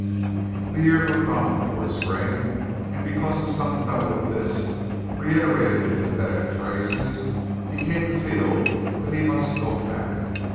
The year moved on toward spring and because of some note of this, reiterated in pathetic phrases, he came to feel that he must go back.